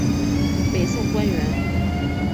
北宋官员。